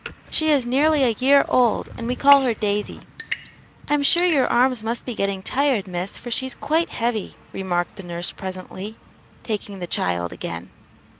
"She is nearly a year old, and we call her Daisy." "I'm sure your arms must be getting tired, miss, for she's quite heavy," remarked the nurse presently, taking the child again.